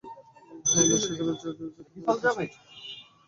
হর্ম্যশিখরে জয়ধ্বজা কেন এত চঞ্চল হইয়া উঠিয়াছে।